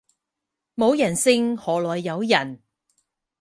冇人性何來有人